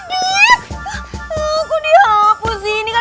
ieh kaya yang kebutuhan